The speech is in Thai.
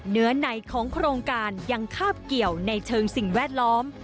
ในของโครงการยังคาบเกี่ยวในเชิงสิ่งแวดล้อม